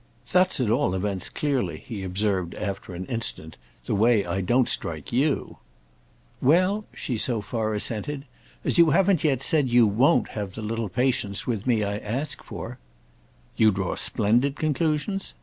"That's at all events, clearly," he observed after an instant, "the way I don't strike you." "Well," she so far assented, "as you haven't yet said you won't have the little patience with me I ask for—" "You draw splendid conclusions?